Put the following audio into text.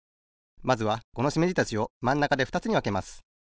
まずはこのしめじたちをまんなかでふたつにわけます。